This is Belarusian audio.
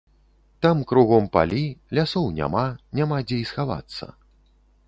Там кругом палі, лясоў няма, няма дзе і схавацца.